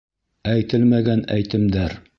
Әйтелмәгән әйтемдәр